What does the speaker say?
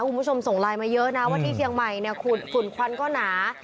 คุณผู้ชมส่งไลน์มาเยอะนะว่าที่เชียงใหม่เนี่ยฝุ่นควันก็หนา